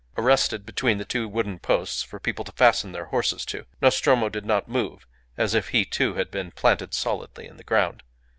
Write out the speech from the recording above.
Arrested between the two wooden posts for people to fasten their horses to, Nostromo did not move, as if he, too, had been planted solidly in the ground.